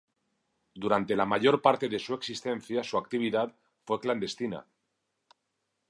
Durante la mayor parte de su existencia su actividad fue clandestina.